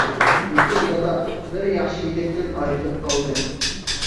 -لېكىن دادا. بىر ياخشى يىگىتتىن ئايرىلىپ قالدىم.